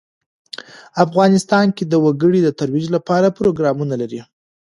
افغانستان د وګړي د ترویج لپاره پروګرامونه لري.